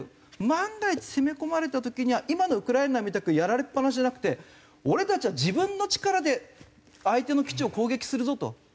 万が一攻め込まれた時には今のウクライナみたくやられっ放しじゃなくて俺たちは自分の力で相手の基地を攻撃するぞと。